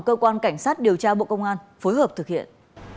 cơ quan cảnh sát điều tra bộ công an phối hợp thực hiện